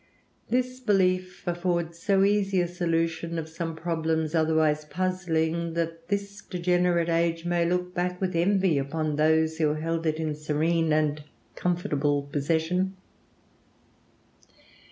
This belief affords so easy a solution of some problems otherwise puzzling, that this degenerate age may look back with envy upon those who held it in serene and comfortable possession.